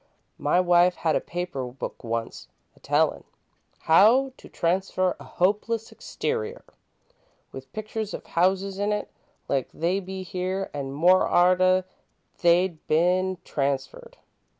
My wife had a paper book wunst, a tellin' 'How to Transfer a Hopeless Exterior,' with pictures of houses in it like they be here an' more arter they'd been transferred.